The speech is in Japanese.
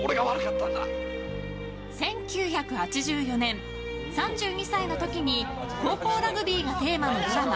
１９８４年、３２歳の時に高校ラグビーがテーマのドラマ